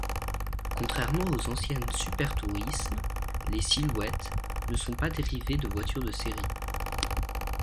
Contrairement aux anciennes Supertourismes, les Silhouette ne sont pas dérivées de voitures de série.